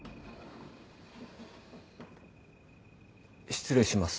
失礼します。